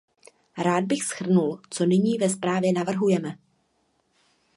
Rád bych shrnul, co nyní ve zprávě navrhujeme.